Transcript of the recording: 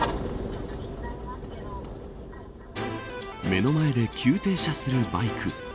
目の前で急停車するバイク。